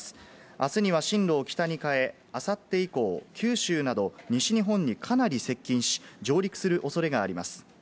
あすには進路を北に変え、あさって以降、九州など西日本にかなり接近し、上陸するおそれがあります。